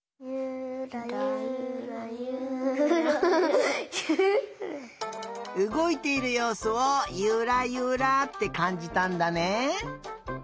うごいているようすを「ゆらゆら」ってかんじたんだね。